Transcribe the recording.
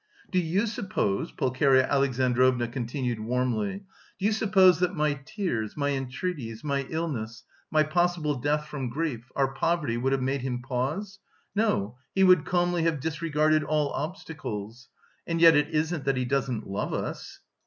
"Do you suppose " Pulcheria Alexandrovna continued warmly. "Do you suppose that my tears, my entreaties, my illness, my possible death from grief, our poverty would have made him pause? No, he would calmly have disregarded all obstacles. And yet it isn't that he doesn't love us!"